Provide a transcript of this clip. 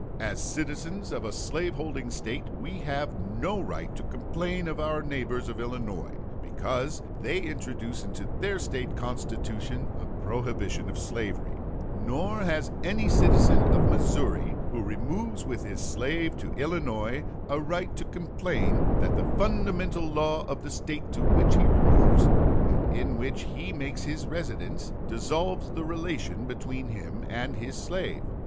As citizens of a slave holding State, we have no right to complain of our neighbors of Illinois, because they introduce into their State Constitution a prohibition of slavery; nor has any citizen of Missouri who removes with his slave to Illinois a right to complain that the fundamental law of the State to which he removes, and in which he makes his residence, dissolves the relation between him and his slave.